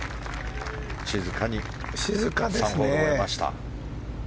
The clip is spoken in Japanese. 静かに３ホール終えました。